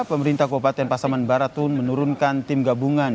pemerintah keupatan pasaman barat menurunkan tim gabungan